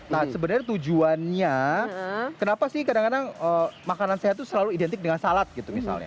nah sebenarnya tujuannya kenapa sih kadang kadang makanan sehat itu selalu identik dengan salad gitu misalnya